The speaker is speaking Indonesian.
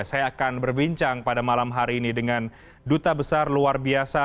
saya akan berbincang pada malam hari ini dengan duta besar luar biasa